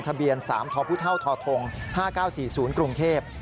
ทะเบียน๓ทพท๕๙๔๐กรุงเทพฯ